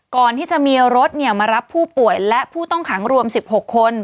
ก่อนที่จะมีรถมารับผู้ป่วยและผู้ต้องขังรวม๑๖คน